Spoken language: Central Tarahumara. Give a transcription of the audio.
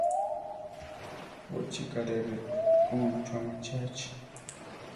We chi karee re Koncho amachíachi.